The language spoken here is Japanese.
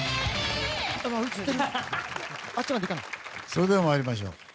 ２それでは参りましょう。